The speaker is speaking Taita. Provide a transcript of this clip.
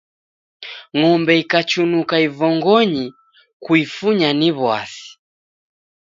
Ng'ombe ikachunuka ivongoyi, kuifunya ni w'asi.